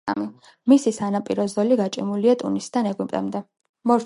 მისი სანაპირო ზოლი გაჭიმულია ტუნისიდან ეგვიპტემდე.